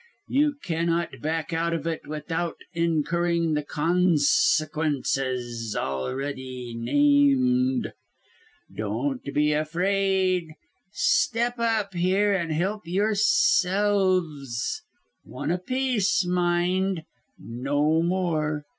You cannot back out of it without incurring the consequences already named. Don't be afraid, step up here and help yourselves one apiece mind, no more."